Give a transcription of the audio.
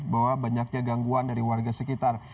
bahwa banyaknya gangguan dari warga sekitar